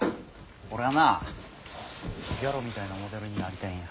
俺はなギャロみたいなモデルになりたいんや。